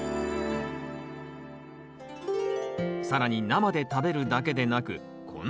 更に生で食べるだけでなくこんな調理法も。